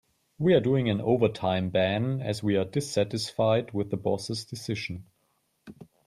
We are doing an overtime ban as we are dissatisfied with the boss' decisions.